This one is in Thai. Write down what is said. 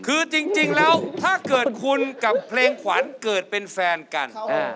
คือจริงแล้วถ้าเกิดคุณกับเพลงขวัญเกิดเป็นแฟนกัน